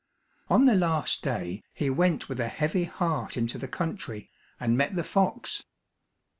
On the last day, he went with a heavy heart into the country, and met the fox.